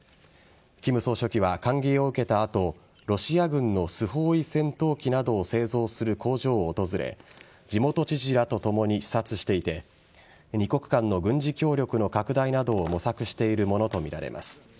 金総書記は歓迎を受けた後ロシア軍のスホーイ戦闘機などを製造する工場を訪れ地元知事らとともに視察していて２国間の軍事協力の拡大などを模索しているものとみられます。